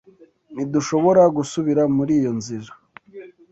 Ntidushobora gusubira muri iyo nzira.